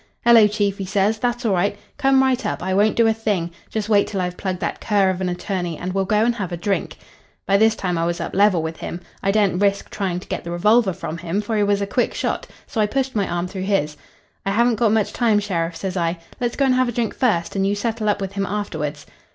"'Hello, chief,' he says. 'That's all right. Come right up. I won't do a thing. Just wait till I've plugged that cur of an attorney and we'll go and have a drink.' "By this time I was up level with him. I daren't risk trying to get the revolver from him, for he was a quick shot, so I pushed my arm through his. "'I haven't got much time, sheriff,' says I. 'Let's go and have a drink first, and you settle up with him afterwards.'